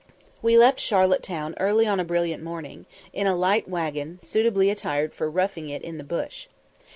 We left Charlotte Town early on a brilliant morning, in a light waggon, suitably attired for "roughing it in the bush."